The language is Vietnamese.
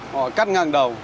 họ cắt ngang đầu